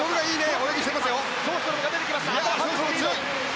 ショーストロムが出てきました。